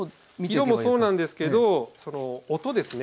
色もそうなんですけどその音ですね。